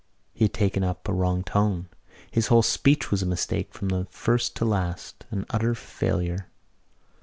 He had taken up a wrong tone. His whole speech was a mistake from first to last, an utter failure.